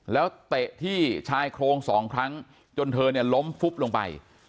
แล้วเตะที่ชายโครงสองครั้งจนเธอเนี่ยล้มฟุบลงไป